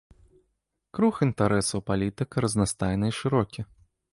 Круг інтарэсаў палітыка разнастайны і шырокі.